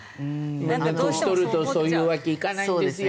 年取るとそういうわけいかないんですよ。